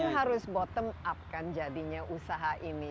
tapi ini harus bottom up kan jadinya usaha ini